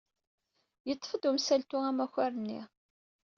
Yeḍḍef-d umsaltu amakar-nni.